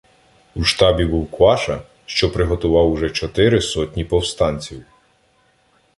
У штабі був Кваша, що приготував уже чотири сотні повстанців.